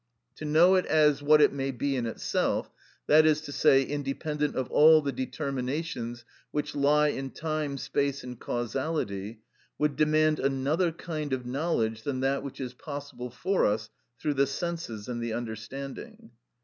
To know it as what it may be in itself, that is to say, independent of all the determinations which lie in time, space, and causality, would demand another kind of knowledge than that which is possible for us through the senses and the understanding."